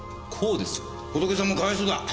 仏さんもかわいそうだ。